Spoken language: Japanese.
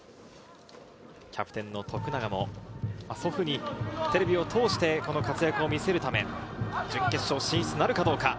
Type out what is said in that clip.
キャプテンの徳永も、祖父にテレビを通して活躍を見せるため、準決勝進出なるかどうか。